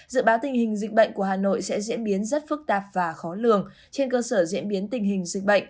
dự báo tình hình dịch bệnh của hà nội sẽ diễn biến rất phức tạp và khó lường trên cơ sở diễn biến tình hình dịch bệnh